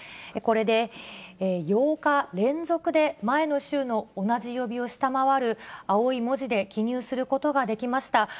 これで８日連続で、前の週の同じ曜日を下回る青い文字で記入することができました。